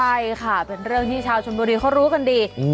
ใช่ค่ะเป็นเรื่องที่ชาวชนบุรีเขารู้กันดี